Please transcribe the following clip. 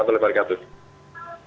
wadih salam warahmatullahi wabarakatuh